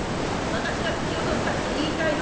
私が突き落としたって言いたいの？